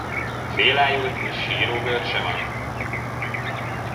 Félájult és sírógörcse van?